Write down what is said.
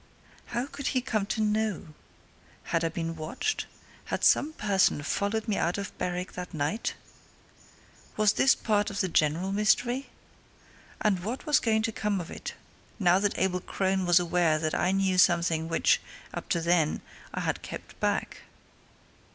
How did he come to know? Had I been watched? Had some person followed me out of Berwick that night? Was this part of the general mystery? And what was going to come of it, now that Abel Crone was aware that I knew something which, up to then, I had kept back?